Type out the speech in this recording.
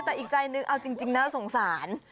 แต่อีกใจนึงเอาจริงน่าสงสาร